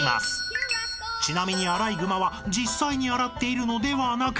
［ちなみにアライグマは実際に洗っているのではなく］